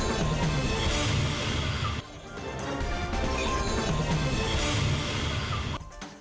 terima kasih sudah hadir